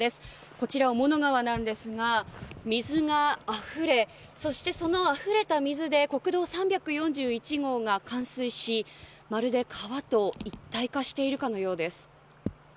こちら雄物川なんですが水があふれそしてそのあふれた水で国道３４１号が冠水しまるで川と一体化しているかのようです。